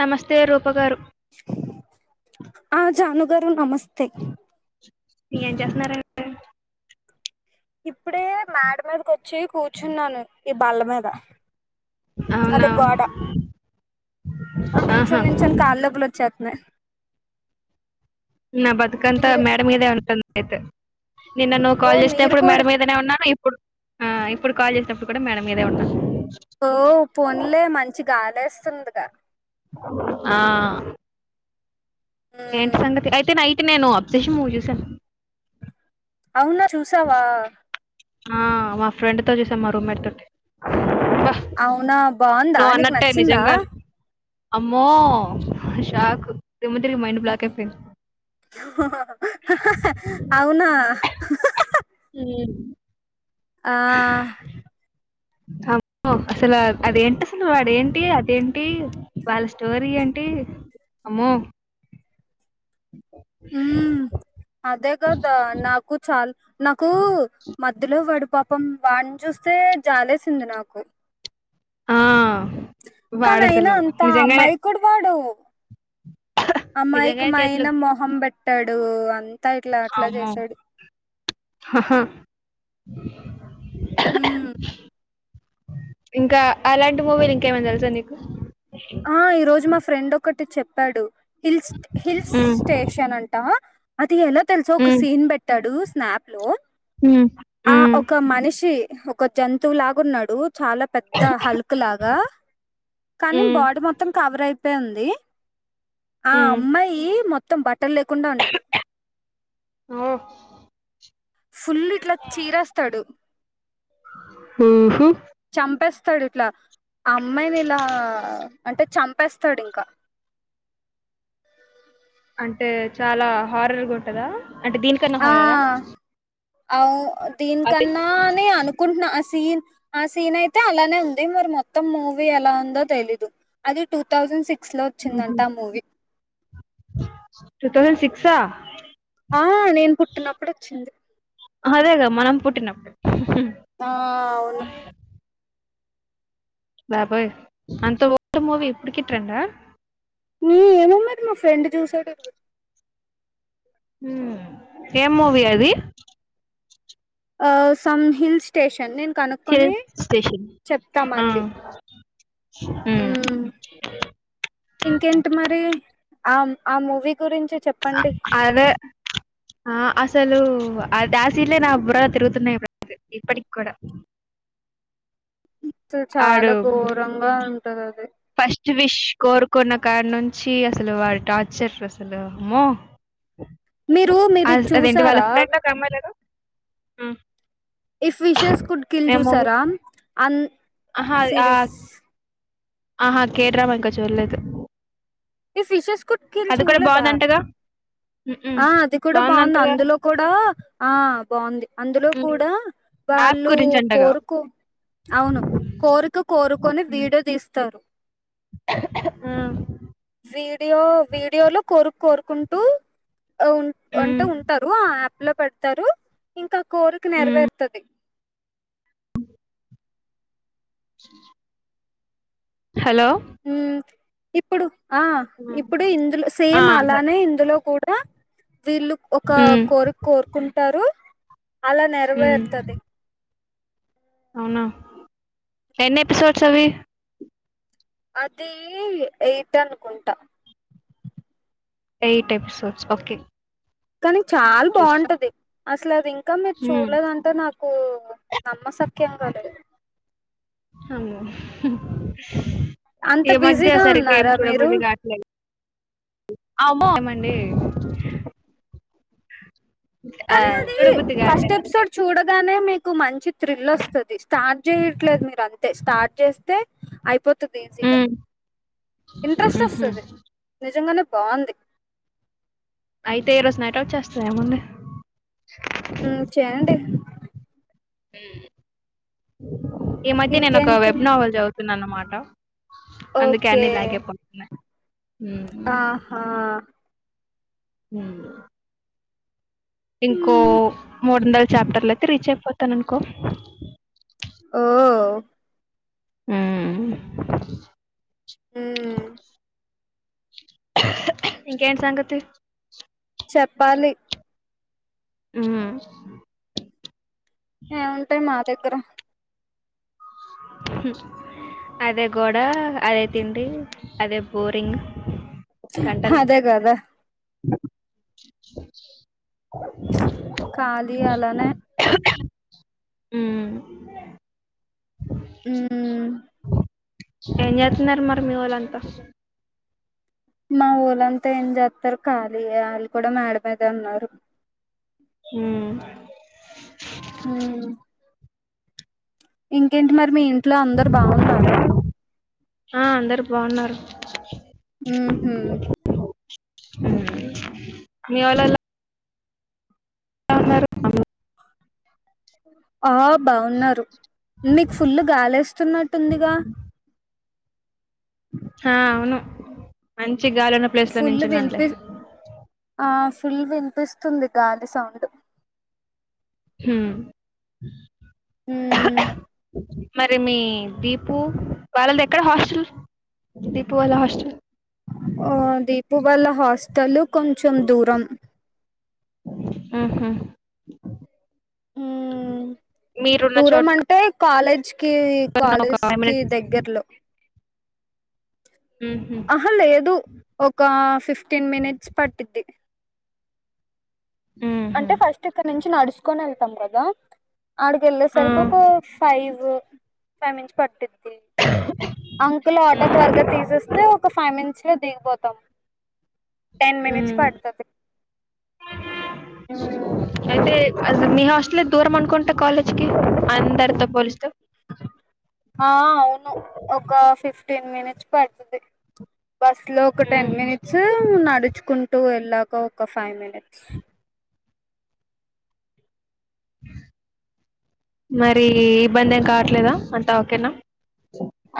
నమస్తే రూప గారు రూప గారు నమస్తే ఏం చేస్తున్నారు అండి ఇప్పుడే మేడ మీద కొచ్చి కూర్చున్నాను ఈ బల్ల మీద అవునా అది గోడ ఆ ఆహా నుంచొని నుంచోని కాలు నొప్పులు వచ్చేస్త మే నా బతుకంత మేడ మీదే ఉంటుంది అయితే నిన్న నువ్వు ఓ కాల్ మీరు చేసేటప్పుడు మేడ కూడా మీదనే ఉన్నాను ఇప్పు ప్పుడు ఆ ఇప్పుడు కాల్ చేసినప్పుడు కూడా మేడ మీదే ఉన్నా ఓ పోన్లే మంచి గాలి వేస్తుందిగా ఆ ఏంటి ఉమ్ సంగతి అయితే నైట్ నేను అబ్సేషన్ మూవీ చూసాను అవునా చూసావా ఆ మా ఫ్రెండ్ తో చూసాం మా రూమ్మేట్ తోటి అబ్బా అవునా బాగుందా నువ్వు నీకు అన్నట్టే అయింది నచ్చిందా నిజంగా అమ్మో షాకు దిమ్మ తిరిగి మైండ్ బ్లాక్ అయి పోయింది అవునా ఆ అ అమ్మే అసలా అదేంటి అసలు వాడు ఏంటి అదేంటి వాళ్ళ స్టోరీ ఏం టీ అమ్మో ఉమ్ అదే కదా నాకు చాలా నాకు మధ్యలో వాడు పాపం వాడిని చూస్తే జాలేసింది నాకు ఆ కానీ అయినా వాడసలు అంతా నిజంగానే అమ్మయకుడు వాడు అమ్మయక నిజంగానే చేతిలో మయినా మొహం పెట్టాడు అ అమ్మె హుమ్ ఇంకా అలాంటి మూవీలు ఇంకేమన్నా తెలుసా నీకు ఆ ఈ రోజు మా ఫ్రెండ్ ఒకటి చెప్పాడు హిల్స్ హిల్స్ ఉమ్, స్టేషన్ అంట అది ఎలా తెలుసో ఒక ఉమ్, సీన్ పెట్టాడు స్నాప్ లో ఉమ్, ఆ ఉమ్, ఒక మనిషి ఒక జంతువు లాగున్నాడు చాలా పెద్ద హల్క్ లాగా కానీ ఉమ్, బాడీ మొత్తం కవర్ అయిపోయి వుంది ఆ ఉమ్. అమ్మాయి మొత్తం బట్ట ఓ ఫుల్ ఇట్లా చీరేస్తాడు హూహు తాడిట్లా అమ్మాయిని ఇలా అంటే చంపేస్తాడు ఇంకా అంటే చాలా హారర్గా ఉంటందా అంటే దీనికన్నా హార్రారా అవ్ దీనికన్నానే అనుకుంటున్నా సీన్ ఆ సీన్ అయితే అలానే ఉంది మరి మొత్తం మూవీ ఎలా ఉందో తెలీదు అది టూ థౌసండ్ సిక్ ఉహూమ్మ్ టూథౌసండ్ సిక్స ఆ నేను పుట్టినప్పుడు వచ్చింది అదేగా మనం పుట్టినప్పుడే ఆ అవును బాబోయ్ అంతా ఓల్డ్ మూవీ ఇప్పుడుకి ట్రెండా ని ఏమో మరి మాఫ్రెండ్ చూశాడు ఉమ్మ్ ఏం మూవీ అది ఆ సమ్ హిల్ స్టేషన్ నేను కనుక్కొని హిల్ స్టేషన్ చెప్తా మళ్ళీ ఉమ్మ్ ఇంకెంటి మరి ఆ ఆ మూవీ గురించి చెప్పండి ఆ అదే అ అసలు ఆ డ్యాసీలే నా బురల తిరుగుతున్నాయి ఇప్పు ఇప్పటికి కూడా త ఆడు చాలా ఘోరంగా ఉంటది అది ఫస్ట్ విష్ కోరుకున్న కాడినుంచి అసలు వాడి టార్చర్ అసలు అమో మీరు మీరు అ ఇది అదేంటి వాళ్ళ చూసారా ఫ్రెండ్ ఒక అమ్మాయిలేదు ఇఫ్ విషేస్ కుడ్ కీల్ చూసారా అన్ ఆహా అది ఆ సిరీస్ ఆహా కే డ్రామా ఇంకా చూలేదు ఎ ఫిషెస్ కుడ్ కీల్ చూడ్లెదా బాగుందంటగా మ్మ్. ఆ అది కూడా బాగుంది బాగుందంటగా అందులో కూడా ఆ బాగుంది అందులో మ్మ్. కూడా యాప్ వాళ్ళు గురించి అంటగా కోరుకు అవును కోరిక కోరుకొని వీడియో తీస్తారు ఉమ్మ్ వీడియో వీడియోలో కోరిక కోరుకుంటూ ఉ మ్మ్. అంటే ఉంటారు ఆ యాప్‌లో పెడతారు ఇంకా కోరిక మ్మ్. నెరవేరుతాది [inaudible] హలో హ్మ్మ్ ఇప్పుడు ఆహ్ ఉమ్. ఇప్పుడు ఇందులో ఆ, సేమ్ అదే. అలానే ఇందులో కూడా వీళ్ళు ఒక మ్మ్. కోరిక కోరుకుంటారు అల మ్మ్. నెరవేర్తది అవునా ఎన్ని ఎపిసోడ్స్ అవి అదీ ఏయిత్ అనుకుంట ఎయిట్ ఎపిసోడ్స్ ఒకే కాని చాల బాగుంటది అసలు అది ఇంకా మీరు మ్మ్. చూడలేదంటే నాకు నమ్మశ క్యంగా లేదు అమ్మో అంత ఈ మధ్య బిజీగా సరిగ్గా ఏం ఉన్నారా మీరు చూడబుధికట్లేదు అమ్మో ఎమండి కానీ అదీ ఫస్ట్ ఎపిసోడ్ చూడగానే మి కు మంచి త్రిల్ వస్తాది స్టార్ట్ చేయట్లేదు మీరంతే స్టార్ట్ చేస్తే అయిపో తాది ఈజీగా ఉమ్, ఇంట్రెస్ట్ ఉహు. వస్తాది నిజంగానే బావుంది అయితే ఈరోజు నైట్ అవుట్ చేస్తా ఏముంది ఉం చేయండి ఉమ్ ఈ మధ్య నేను ఒక ఇంకేంటి వెబ్ నొవెల్ చదువుతున్న అన్నమాట అందుకె ఓకే అన్ని ఇలాగేపోతున్నాయి ఆహా హమ్ ఇంకో ఉమ్, మూడొందల చాప్తర్లైతే రీచ్ అయిపోతాను అనుకో ఓ ఆమ్ హామ్ ఇంకేటీ సంగతి చెప్పాలి హామ్ ఏముంటై మా దగ్గర హామ్ అదే గోడ అదే తిండి అదే బోరింగ్ గంటలు హదే కదా [inaudible] ఖాళీ అలానె అమ్ ఉమ్ ఏం చెత్నరు మరి మీ వొల్లంత మా వొల్లంత ఏం చేతరు కాళియే ఆళ్ల కూడా మేడ మీదె ఉన్నారు హామ్ హామ్ ఇంకేంటి మరి మి ఇంట్లో అందరు బావున్నారా ఆ అందరు బాగున్నారు ఉ హామ్ మీ వోల్ అలో బోనారు అందరూ ఆ బావున్నరు మీకు ఫుల్లు గాలేస్తున్నట్టుందిగా హ అవును మంచి గాలున్న ప్లేస్ లో ఫుల్ నుంచున్నాలే ఫుల్గా వినిపిస్తుంది గాలి సౌండు హామ్ హమ్మ్ మరి మీ దీపు వాళ్ళది ఎక్కడ హాస్టల్ దీపు వాళ్ళ హాస్టల్ ఆ దీపు వాల్ల హాస్టల్ కొంచెం దూరం ఆహా మీరున్న దూరం చోటుక అంటే కాలేజ్ కి కాలేజ్ కి మినిట్స్ దగ్గర్లో ఉహు. అహా లేదు ఒక ఫిఫ్టీన్ మినిట్స్ పట్టిద్ది ఉహు. అంటే ఫస్ట్ ఇక్కడ నుంచి నడుచకొని వెళ్తాం కదా ఆడికి ఆ వెళ్ళేసరికి ఒక ఫైవ్ ఫైవ్ మినిట్స్ పట్టింది అంకుల్ ఆటో త్వరగా తీసేస్తే ఒక ఫైవ్ మినిట్స్లో దిగిపోతాం టెన్ మినిట్స్ ఉమ్. పడ్తది అయితే అద మీ హస్ట్లే దూర మంకుంట కాలేజ్ కి అందారు తో పోలిస్త ఆ అవును ఒక ఫిఫ్టీన్ మినిట్స్ పడుతుది బస్ లో ఒక టెన్ ఉహు. మినిట్స్ ఉన్నాడు నడుచుకుంటూ వెళ్ళాక ఒక ఫైవ్ మినిట్స్ మరి ఇబ్బంది ఏం కావట్లేదా అంతా ఓకేనా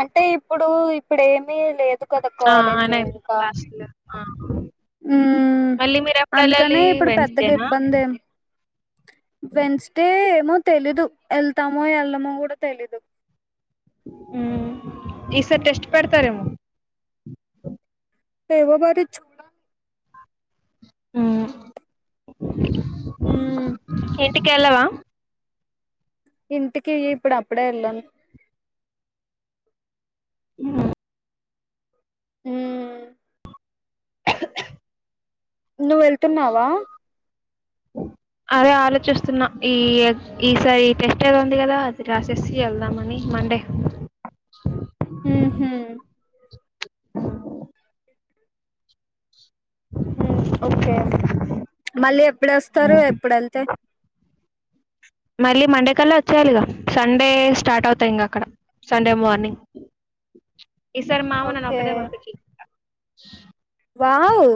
అంటే ఇప్పుడు ఇప్పుడు ఏమి లేదు ఇక్కడ ఆ! కాలేజ్ ఆయన ఎప్పుడు ఇంకా క్లాస్‌లో ఆ! ఉ మళ్ళీ అందుకనే మీరెప్పుడెళ్ళాలి? ఇప్పుడు పెద్దగా వెన్స్‌డేనా? ఇబ్బందేం వెన్స్డే ఏమో తెలీదు వెళ్తామో వెళ్దమో కూడా తెలీదు ఈసారి టెస్ట్ పెడతారేమో ఎవ బరి చోడా ఉ ఉమ్ ఏంటి కేలవా ఇంటికి ఇప్పుడు అప్పుడే వెళ్ళను ఉ ఊ నువ్వు వెళ్తున్నావా అదే ఆలోచిస్తున్నా ఈ ఈసారి ఈ టెస్ట్ ఉంది కదా అది క్లాసెస్ వెళ్దామని మండే ఉహు ఓకే మళ్ళీ ఎప్పుడు వస్తారు హ్మ్. ఎప్పుడు వెళ్తే మళ్ళీ మండే కల్లా వచ్చేయాలిగా సండే స్టార్ట్ అవుతాయి ఇంకా అక్కడ సండే మార్నింగ్ ఈ సారి మామ్మ నన్ ఓకే ఒక్కదాన్నే పంపాద్ ఎట్ల వావ్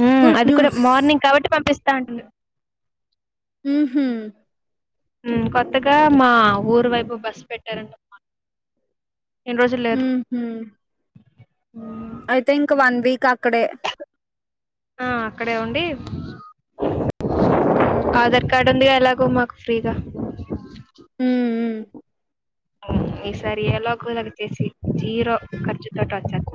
హ గుడ్ అది కూడా న్యూస్ మార్నింగ్ కాబట్టి పంపిస్తా ఉంటుంది హు హు కొత్తగా మా ఊరు వైపు బస్సు పెట్టారండి అమ్మా హు హు ఆ ఐ థింక్ వన్ వీక్ అక్కడే ఆ అక్కడే ఉండి ఉమ్ ఆధార్ కార్డ్ ఉంది కద ఇలాగో మాకు ఫ్రీగా అ ఈసారి ఏలో గలాకి చేసి జీరో ఖర్చు తోట వచ్చేస్త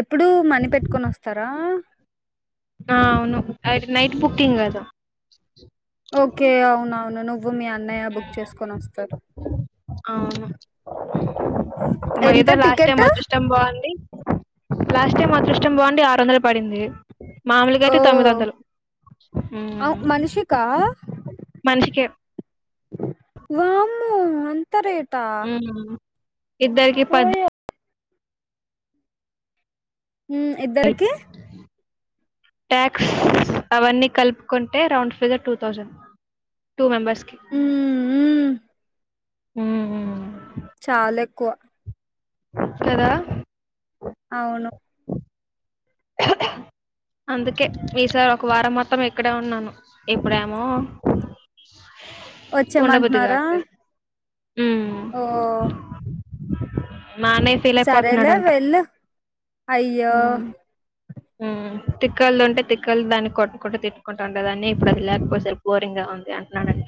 ఎప్పుడు మనీ పెట్టుకొని వస్తారా ఆ అవును అయితే నైట్ బుకింగ్ కదా ఓకే అవునా అవునును నువ్వు మీ అన్నయ్య బుక్ చేసుకొని వస్తారు మా ఎంత ఏదో లాస్ట్ టైం టికెట్ అదృష్టం బాగుండి లాస్ట్ టైం అదృష్టం బాగుండి ఆరు వందల పడింది మామూలుగా ఓ అయితే తొమ్మిది వందలు ఊ అవ్ మనిషికా మనిషికి వామ్మో అంత రేటా ఇద్దరుకి పద ఓయో ఉ ఇద్దరికి ట్యాక్స్ అవన్నీ కలుపుకుంటే round figure two thousand two members మ్మ్ మ్మ్ మ్మ్ చాలా ఎక్కువ కదా అవును అందుకే ఈసారి ఒక వారం మొత్తం ఇక్కడే ఉన్నాను ఎప్పుడేమో ఉండబుద్ధి వచ్చేమంటున్నారా కావట్లేదు హ్మ్ ఓ నాన్న అయి ఫీల్ సరేలే అయిపోతున్నాడంట వెళ్ళు అయ్యో తిక్కలు ఉంటే తిక్కలు దాన్ని కొట్టుకుంటడా తిట్టుకుంటూ ఉండే దాన్ని ఇప్పుడు అది లేకపోసారు బోరింగ్గా అన్నాడు అంట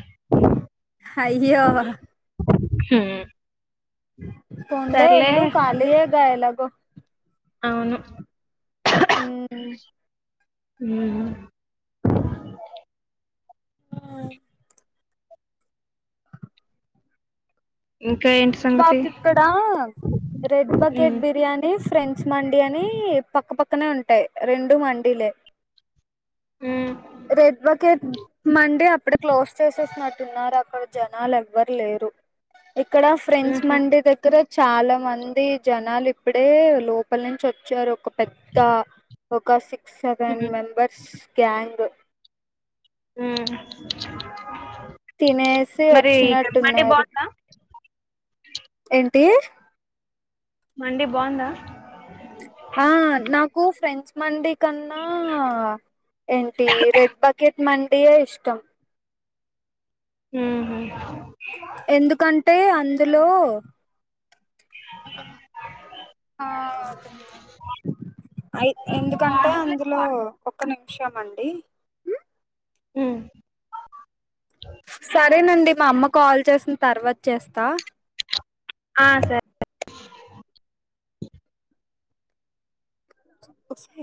అయ్యో హ్మ్ కొండే ఎల్లుూ ఖాలీయేగా ఎలాగో అవును ఉమ్ మ్మ్ హ్మ్ ఇంకా ఏంటి సంగతి మాక్ ఇక్కడ రెడ్ బకెట్ ఉమ్ బిర్యానీ ఫ్రెంచ్ మండి అని పక్కపక్కనే ఉంటాయి రెండు మండీలే ఉమ్ రెడ్ బకెట్ మండి అప్పుడు క్లోజ్ చేసేసినట్టున్నారు అక్కడ జనాలు ఎవ్వరు లేరు ఇక్కడ ఫ్రెండ్స్ ఉహు మండి దగ్గర చాలా మంది జనాలు ఇప్పుడే లోపల నుంచి వచ్చారు ఒక పెద్ద ఒక సిక్స్ సెవెన్ ఉమ్ మెంబర్స్ గ్యాంగ్ తినేసి మరి ఇక్కడ మండి వచ్చినట్టున్నారు బాగుందా ఏంటి మండి బాగుందా ఆ నాకు ఫ్రెంచ్ మండి కన్నా ఏంటి రెడ్ బకెట్ మండి ఎ ఇష్టం మ్మ్ హ్మ్ ఎందుకంటే అందులో ఆ అయి ఎందుకంటే అందులో ఒక నిమిషం అండి హ్మ్ సరేనండి మా అమ్మ కాల్ చేసింది తర్వాత చేస్తా ఆ సరే ఒకే